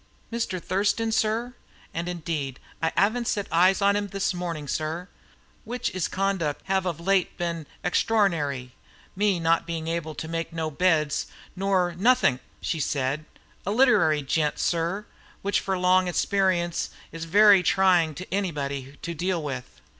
"Mr. Thurston, sir? And indeed I 'aven't set eyes on 'im this morning, sir. Which 'is conduck 'ave of late been most extrornary me not being able to make no beds, nor nothink," said she. "A lit'ry gent, sir, which from long ixperience is very trying to anybody to deal with.